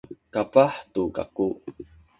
kapah tu kaku